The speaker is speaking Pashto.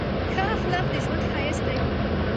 ښه اخلاق د ژوند ښایست دی.